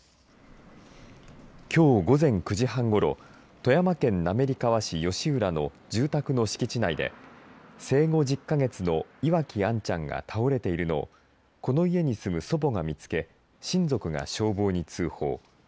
きょう午前９時半ごろ富山県滑川市吉浦の住宅の敷地内で生後１０か月の岩城杏ちゃんが倒れているのをこの家に住む祖母が見つけ親族が消防に通報。